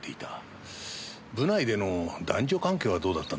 部内での男女関係はどうだったんでしょうか？